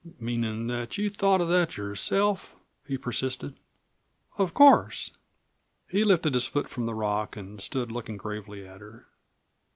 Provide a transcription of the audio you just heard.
"Meanin' that you thought of that yourself?" he persisted. "Of course." He lifted his foot from the rock and stood looking gravely at her.